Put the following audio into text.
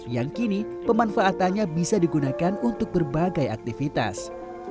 yang kini pemanfaatannya bisa digunakan untuk berbagai aktivitas